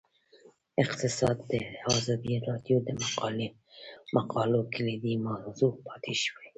اقتصاد د ازادي راډیو د مقالو کلیدي موضوع پاتې شوی.